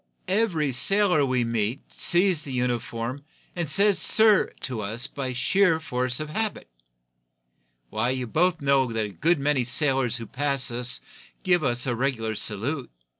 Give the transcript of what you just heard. Every sailor we meet sees the uniform, and says 'sir' to us by sheer force of habit. Why, you both know that a good many sailors who pass us give us the regular salute.